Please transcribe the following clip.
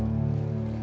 aku mau balik